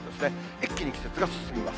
一気に季節が進みます。